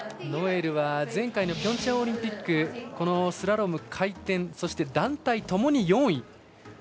ノエルは前回のピョンチャンオリンピックスラローム回転そして団体ともに４位。